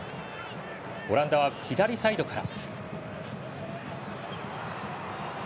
オランダは左サイドから。